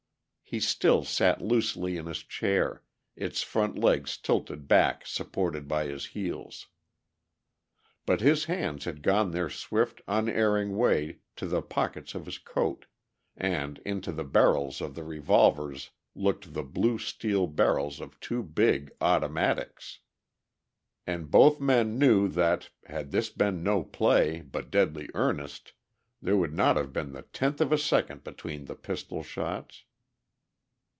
He still sat loosely in his chair, its front legs tilted back supported by his heels. But his hands had gone their swift, unerring way to the pockets of his coat, and into the barrels of the revolvers looked the blue steel barrels of two big automatics. And both men knew that, had this been no play, but deadly earnest, there would not have been the tenth of a second between the pistol shots.